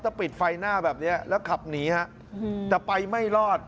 ถ้าปิดไฟหน้าแบบนี้แล้วขับหนีฮะแต่ไปไม่รอด